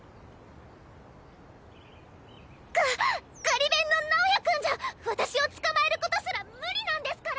ガガリ勉の直也君じゃ私を捕まえることすら無理なんですから！